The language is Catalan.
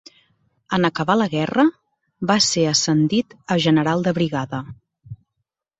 En acabar la guerra, va ser ascendit a general de brigada.